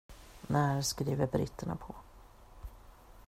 När skriver britterna på?